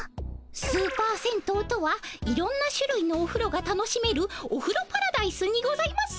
スーパー銭湯とはいろんなしゅるいのおふろが楽しめるおふろパラダイスにございます。